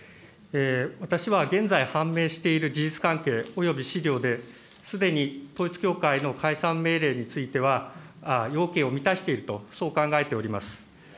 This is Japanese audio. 私は現在、判明している事実関係および資料で、すでに統一教会の解散命令については、要件を満たしていると、そう考えております。